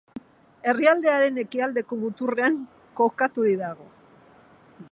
Herrialdearen ekialdeko muturrean kokaturik dago.